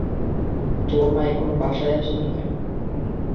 তোর মা এখনো বাসায় আসেনি কেন?